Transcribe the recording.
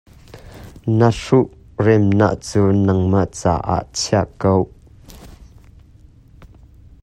Na rut reunak cu nangmah caah i chiah ko.